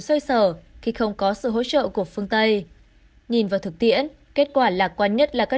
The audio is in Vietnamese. xoay sở khi không có sự hỗ trợ của phương tây nhìn vào thực tiễn kết quả lạc quan nhất là các